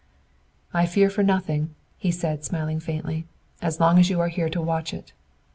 "I fear for nothing," he said, smiling faintly, "as long as you are here to watch it.